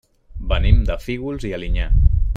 Venim de Fígols i Alinyà.